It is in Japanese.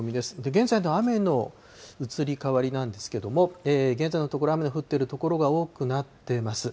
現在の雨の移り変わりなんですけれども、現在のところ、雨の降っている所が多くなっています。